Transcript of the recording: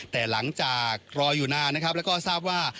แต่หลังจากรออยู่นานนะครับแล้วก็ทราบว่า